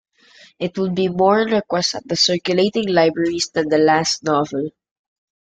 It would be more in request at the circulating libraries than the last novel.